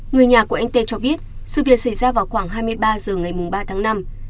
người nhà của anh tê cho biết sự việc xảy ra vào khoảng hai mươi ba h ngày ba tháng năm